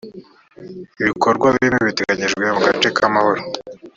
ibikorwa bimwe biteganyijwe mu gace kamahoro.